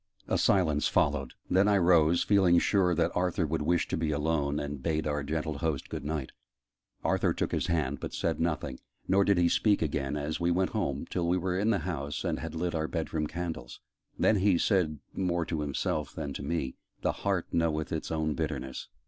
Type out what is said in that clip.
A silence followed: then I rose, feeling sure that Arthur would wish to be alone, and bade our gentle host 'Good night': Arthur took his hand, but said nothing: nor did he speak again, as we went home till we were in the house and had lit our bed room candles. Then he said more to himself than to me, "The heart knoweth its own bitterness.